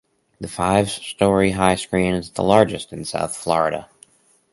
The five-story-high screen is the largest in South Florida.